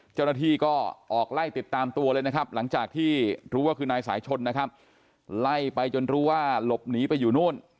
เจ้าหน้าที่ก็ออกไล่ติดตามตัวเลยนะครับหลังจากที่รู้ว่าคือนายสายชนนะครับไล่ไปจนรู้ว่าหลบหนีไปอยู่นู่น